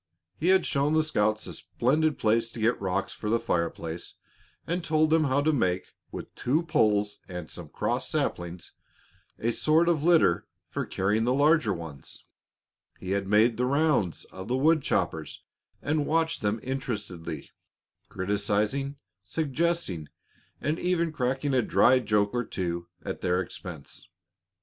He had shown the scouts a splendid place to get rocks for the fireplace, and told them how to make, with two poles and some cross saplings, a sort of litter for carrying the larger ones; he had made the rounds of the wood choppers and watched them interestedly, criticizing, suggesting, and even cracking a dry joke or two at their expense.